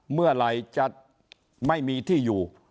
เมื่อไหร่จะไม่มีที่อยู่